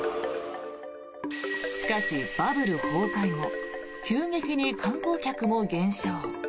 しかしバブル崩壊後急激に観光客も減少。